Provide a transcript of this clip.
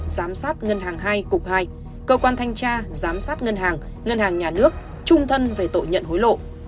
giám sát ngân hàng hai cục hai cơ quan thanh tra giám sát ngân hàng ngân hàng nhà nước trung thân về tội nhận hối lộ